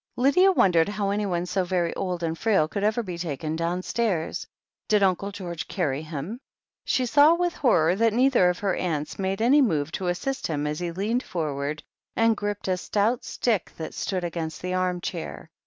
Lydia wondered how anyone so very old and frail could ever be taken downstairs. Did Uncle George carry him ? She saw with horror that neither of her aunts made any move to assist him jas he leant for ward and gripped a stout stick that stood against the arm chair.